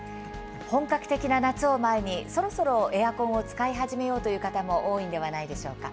本格的な夏を前にそろそろエアコンを使い始めようという方も多いのではないでしょうか。